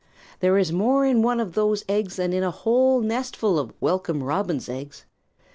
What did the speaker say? "There is more in one of those eggs than in a whole nestful of Welcome Robin's eggs.